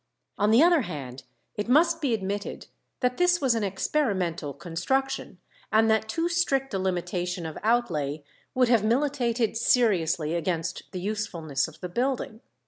On the other hand, it must be admitted that this was an experimental construction, and that too strict a limitation of outlay would have militated seriously against the usefulness of the building.